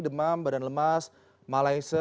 demam badan lemas malaise